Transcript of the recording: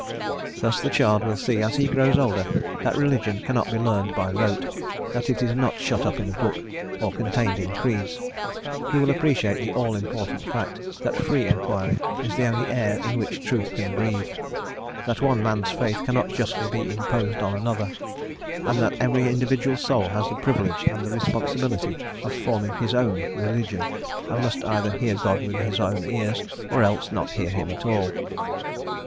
Thus the child will see, as he grows older, that religion cannot be learned by rote, that it is not shut up in a book, or contained in creeds; he will appreciate the all important fact that free inquiry is the only air in which truth can breathe; that one man's faith cannot justly be imposed on another, and that every individual soul has the privilege and the responsibility of forming his own religion, and must either hear God with his own ears, or else not hear Him at all.